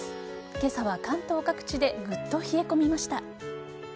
今朝は関東各地でぐっと冷え込みました。